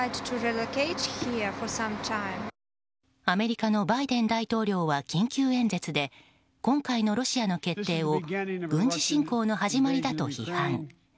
アメリカのバイデン大統領は緊急演説で今回のロシアの決定を軍事侵攻の始まりだと批判。